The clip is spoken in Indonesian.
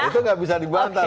itu nggak bisa dibantah